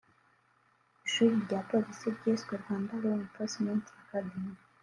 Ishuri rya Polisi ryiswe Rwanda Law Enforcement Academy